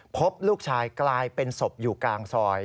พบลูกชายกลายเป็นศพอยู่กลางซอย